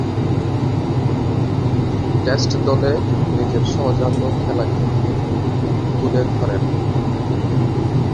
Test দলে নিজের সহজাত খেলাকে তুলে ধরেন।